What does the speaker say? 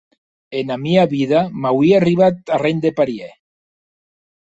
Ena mia vida m’auie arribat arren de parièr.